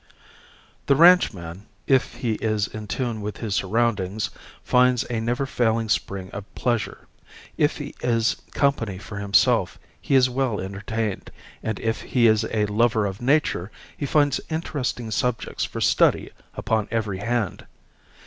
The ranchman, if he is in tune with his surroundings, finds a never failing spring of pleasure. If he is company for himself he is well entertained and if he is a lover of nature he finds interesting subjects for study upon every hand.